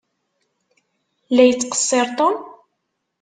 La yettqeṣṣiṛ Tom?